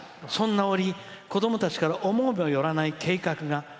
そんな折子どもたちから思いもよらない計画が。